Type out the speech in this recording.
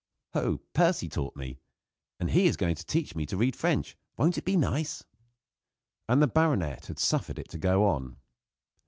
"Ho! Percy taught me; and he is going to teach me to read French. Won't it be nice?" And the baronet had suffered it to go on.